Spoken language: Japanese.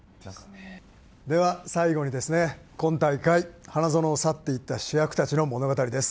では、最後にですね、今大会、花園を去っていった主役たちの物語です。